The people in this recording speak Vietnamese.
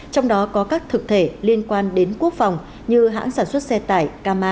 trong đó có các thực thể liên quan đến quốc phòng như hãng sản xuất xe tải kama